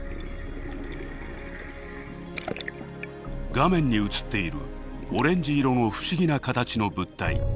画面に映っているオレンジ色の不思議な形の物体。